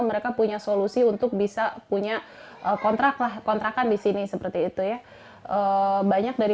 mereka punya solusi untuk bisa punya kontrak lah kontrakan di sini seperti itu ya banyak dari